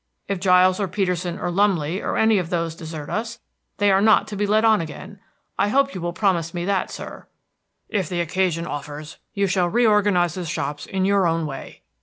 If Giles or Peterson or Lumley or any of those desert us, they are not to be let on again. I hope you will promise me that, sir." "If the occasion offers, you shall reorganize the shops in your own way.